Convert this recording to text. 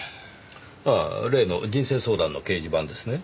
ああ例の人生相談の掲示板ですね。